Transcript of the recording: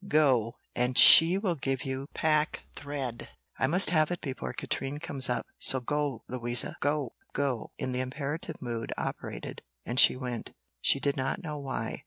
Go, and she will give you packthread. I must have it before Katrine comes up. So go, Louisa, go." "Go," in the imperative mood, operated, and she went; she did not know why.